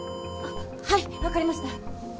あっはいわかりました。